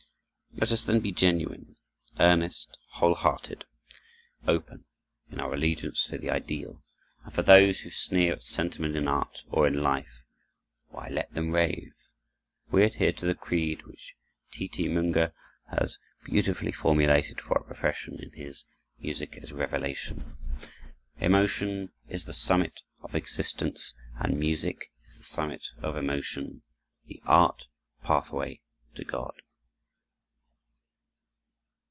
Let us, then, be genuine, earnest, whole hearted, open, in our allegiance to the ideal; and as for those who sneer at sentiment in art or in life, why, let them rave. We adhere to the creed which T. T. Munger has beautifully formulated for our profession in his "Music as Revelation": "Emotion is the summit of existence, and music is the summit of emotion, the art pathway to God."